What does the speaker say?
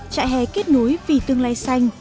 trại hè kết nối vì tương lai xanh